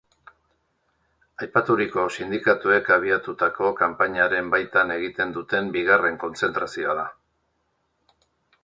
Aipaturiko sindikatuek abiatutako kanpainaren baitan egiten duten bigarren kontzentrazioa da.